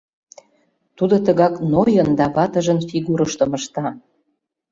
Тудо тыгак Нойын да ватыжын фигурыштым ышта.